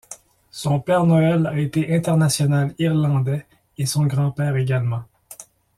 Son père Noël a été international irlandais et son grand-père également.